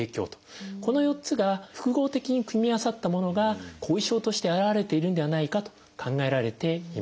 この４つが複合的に組み合わさったものが後遺症として現れているんではないかと考えられています。